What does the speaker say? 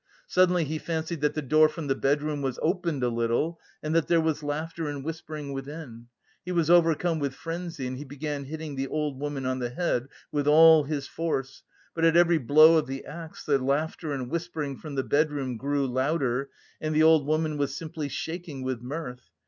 Suddenly he fancied that the door from the bedroom was opened a little and that there was laughter and whispering within. He was overcome with frenzy and he began hitting the old woman on the head with all his force, but at every blow of the axe the laughter and whispering from the bedroom grew louder and the old woman was simply shaking with mirth.